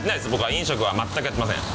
飲食は全くやっていません。